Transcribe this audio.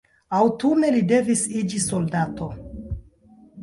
Aŭtune li devis iĝi soldato.